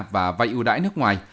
và vay ưu đãi nước ngoài